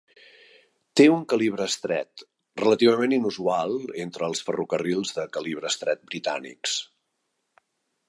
Té una calibre estret, relativament inusual entre els ferrocarrils de calibre estret britànics.